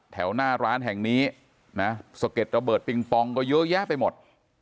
แถวหน้าร้านแห่งนี้นะสะเก็ดระเบิดปิงปองก็เยอะแยะไปหมด